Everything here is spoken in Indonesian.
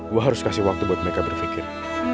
gue harus kasih waktu buat mereka berpikir